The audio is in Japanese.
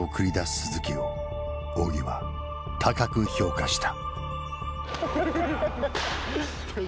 鈴木を仰木は高く評価した。